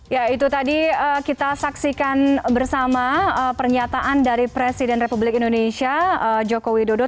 ya itu tadi kita saksikan bersama pernyataan dari presiden republik indonesia joko widodo